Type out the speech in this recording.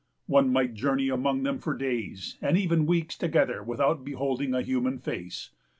One might journey among them for days, and even weeks together, without beholding a human face.